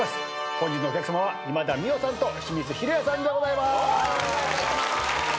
本日のお客さまは今田美桜さんと清水尋也さんでございまーす！